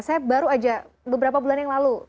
saya baru aja beberapa bulan yang lalu